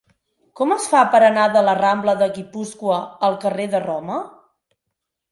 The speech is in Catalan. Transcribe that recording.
Com es fa per anar de la rambla de Guipúscoa al carrer de Roma?